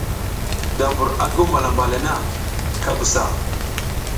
Da mbur a guw malamba le na, ka busa.